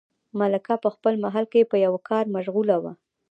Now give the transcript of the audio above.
ملکه په خپل محل کې په یوه کار مشغوله وه.